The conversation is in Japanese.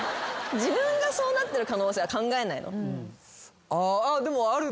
自分がそうなってる可能性は考えないの？